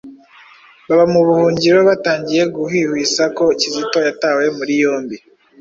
baba mu buhungiro batangiye guhwihwisa ko Kizito yatawe muri yombi.